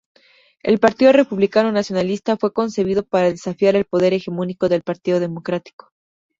El Partido Republicano Nacionalista fue concebido para desafiar el poder hegemónico del Partido Democrático.